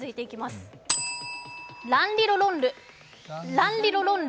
ランリロロンル。